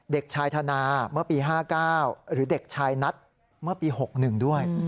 เด็กชายธนาเมื่อปี๕๙หรือเด็กชายนัทเมื่อปี๖๑ด้วย